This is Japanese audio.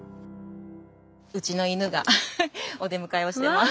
うちの犬がお出迎えをしてます。